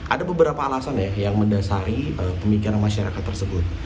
ada beberapa alasan ya yang mendasari pemikiran masyarakat tersebut